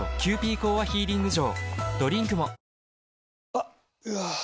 あっ、うわー。